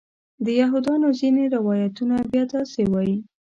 د یهودیانو ځینې روایتونه بیا داسې وایي.